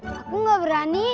aku gak berani